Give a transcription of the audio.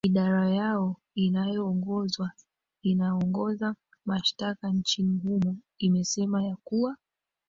idara yao inayoongozwa inaongoza mashtaka nchini humo imesema ya kuwa